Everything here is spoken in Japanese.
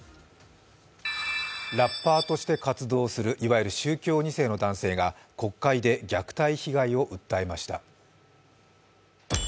ラッパーとして活動するいわゆる宗教２世の男性が国会で虐待被害を訴えました。